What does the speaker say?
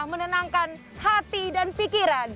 menenangkan hati dan pikiran